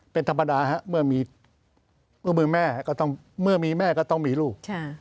เป็นธรรมดาเมื่อมีแม่ก็ต้องมีลูก